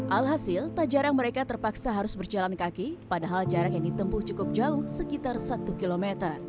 alhasil tak jarang mereka terpaksa harus berjalan kaki padahal jarak yang ditempuh cukup jauh sekitar satu km